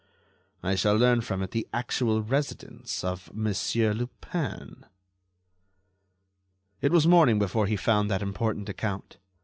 I shall learn from it the actual residence of Monsieur Lupin." It was morning before he found that important account.